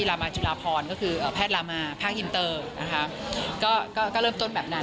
ลามาจุลาพรก็คือแพทย์ลามาภาคอินเตอร์นะคะก็ก็เริ่มต้นแบบนั้น